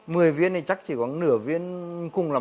mười viên thì chắc chỉ có nửa viên cùng là